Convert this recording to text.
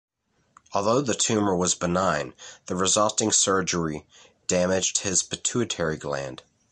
Although the tumor was benign, the resulting surgery damaged his pituitary gland.